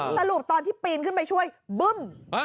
สรุปตอนที่ปีนขึ้นไปช่วยบึ้ม